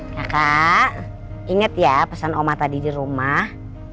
kakak inget ya pesan oma tadi di rumah